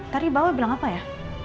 tadi bapak bilang apa ya